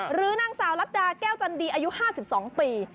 หรือนางสาวลัดดาแก้วจันดีอายุ๕๒ปี